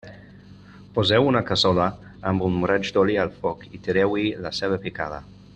Poseu una cassola amb un raig d'oli al foc i tireu-hi la ceba picada.